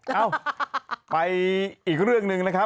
เอ้าไปอีกเรื่องหนึ่งนะครับ